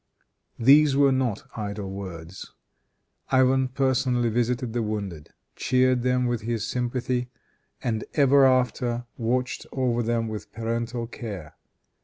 These were not idle words. Ivan personally visited the wounded, cheered them with his sympathy, and ever after watched over them with parental care.